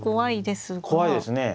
怖いですね。